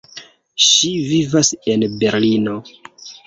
Ŝi vivas en Berlino.